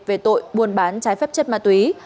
về tội buôn bán trái phép chất ma túy